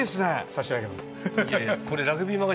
差し上げます。